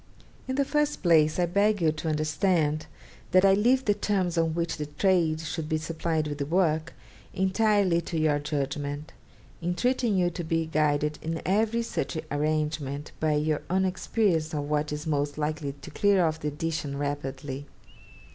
'In the first place, I beg you to understand that I leave the terms on which the trade should be supplied with the work entirely to your judgment, entreating you to be guided in every such arrangement by your own experience of what is most likely to clear off the edition rapidly.